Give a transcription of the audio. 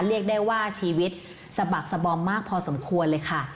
เรียกได้ว่าชีวิตสะบักสะบอมมากพอสมควรเลยค่ะ